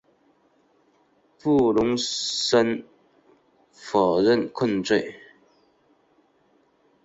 布伦森否认控罪。